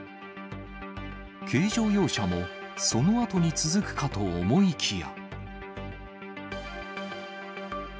軽乗用車もそのあとに続くかと思いきや。